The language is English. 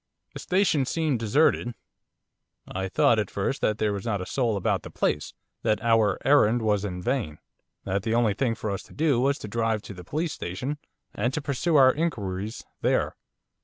The station seemed deserted. I thought, at first, that there was not a soul about the place, that our errand was in vain, that the only thing for us to do was to drive to the police station and to pursue our inquiries there.